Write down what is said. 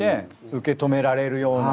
受け止められるような。